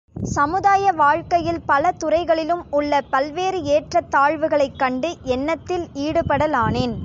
சமுதாய வாழ்க்கையில் பலதுறைகளிலும் உள்ள பல்வேறு ஏற்றத் தாழ்வுகளைக் கண்டு எண்ணத்தில் ஈடுபடலானேன்.